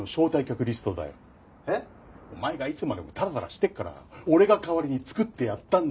お前がいつまでもタラタラしてるから俺が代わりに作ってやったんだよ。